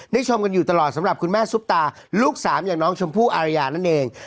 ชมกันอยู่ตลอดสำหรับคุณแม่ซุปตาลูกสามอย่างน้องชมพู่อารยานั่นเอง